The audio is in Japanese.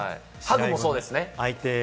ハグもそうです。